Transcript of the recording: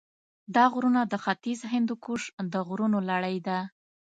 دا غرونه د ختیځ هندوکش د غرونو لړۍ ده.